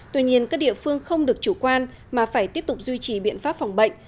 tuy nhiên các địa phương không được chủ quan mà phải tiếp tục duy trì biện pháp phòng bệnh